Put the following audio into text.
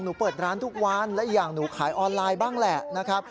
หนูเปิดร้านทุกวันและอย่างหนูขายออนไลน์บ้างแหละ